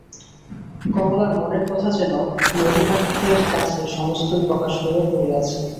কমলার মনের কথা যেন নলিনাক্ষের কাছে সমস্তই প্রকাশ হইয়া পড়িয়াছে।